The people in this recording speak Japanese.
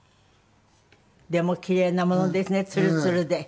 でも奇麗なものですねツルツルで。